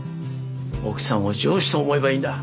奥さんを上司と思えばいいんだ。